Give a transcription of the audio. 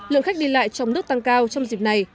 lượng khách đi lại trong nước tăng cao trong dịp này